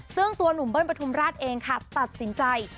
ซึ่งตัวหนุ่มเบิ้ลประทุมราชเองค่ะตัดสินใจ